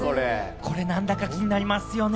これ何だか気になりますよね。